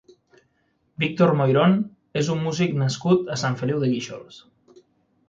Víctor Moirón és un músic nascut a Sant Feliu de Guíxols.